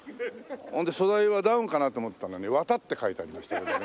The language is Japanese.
ほんで素材はダウンかなと思ってたのに綿って書いてありましたようでね。